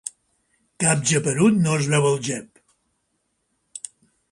Cap geperut no es veu el gep.